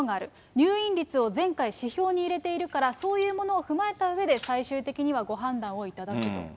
入院率を前回指標に入れているから、そういうものを踏まえたうえで、最終的にはご判断をいただくと。